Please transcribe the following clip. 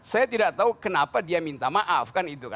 saya tidak tahu kenapa dia minta maaf